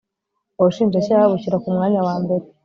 Ubushinjacyaha bushyira ku mwanya wa mbere